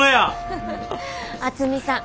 渥美さん